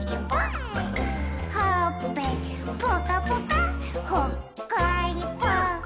「ほっぺぽかぽかほっこりぽっ」